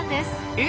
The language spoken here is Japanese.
え？